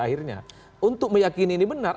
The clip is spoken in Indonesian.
akhirnya untuk meyakini ini benar